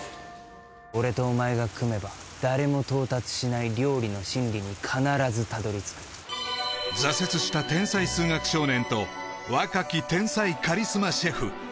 俺とお前が組めば誰も到達しない料理の真理に必ずたどり着く挫折した天才数学少年と若き天才カリスマシェフ